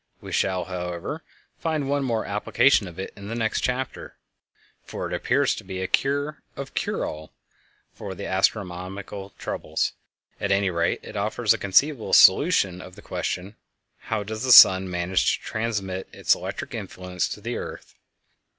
We shall, however, find one more application of it in the next chapter, for it appears to be a kind of cure all for astronomical troubles; at any rate it offers a conceivable solution of the question, How does the sun manage to transmit its electric influence to the earth?